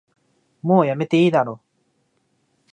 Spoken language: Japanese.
もうやめていいだろ